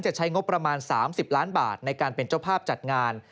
ใช้งบประมาณ๓๐ล้านบาทในการเป็นเจ้าภาพจัดงาน